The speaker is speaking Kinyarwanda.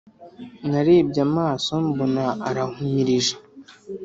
narebye amaso mbona arahumirije